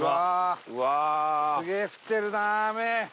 すげえ降ってるな雨。